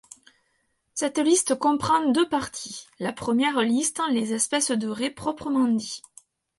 Cette liste comprend deux parties, la première liste les espèces de raie proprement dits.